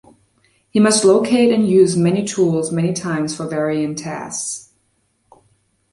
He must locate and use many tools many times for varying tasks.